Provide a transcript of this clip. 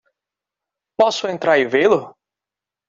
Posso entrar e vê-lo?